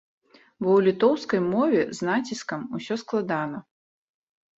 Бо ў літоўскай мове з націскам усё складана.